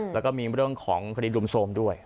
แล้วก็มีเรื่องของคดีรุมโทรมด้วย